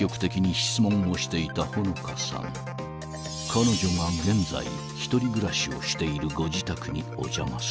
［彼女が現在一人暮らしをしているご自宅にお邪魔すると］